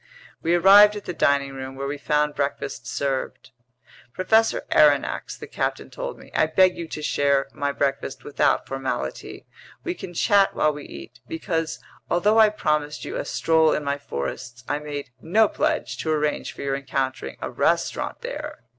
We arrived at the dining room, where we found breakfast served. "Professor Aronnax," the captain told me, "I beg you to share my breakfast without formality. We can chat while we eat. Because, although I promised you a stroll in my forests, I made no pledge to arrange for your encountering a restaurant there.